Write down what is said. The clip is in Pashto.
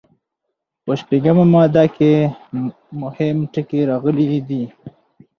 په شپږمه ماده کې مهم ټکي راغلي دي.